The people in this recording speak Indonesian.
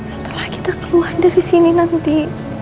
setelah kita keluar dari sini nanti